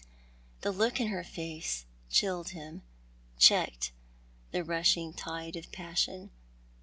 The look in her face chilled him — checked the rushing tide of passion.